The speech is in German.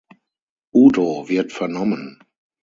Udo wird vernommen.